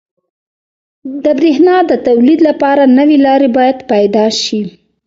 • د برېښنا د تولید لپاره نوي لارې باید پیدا شي.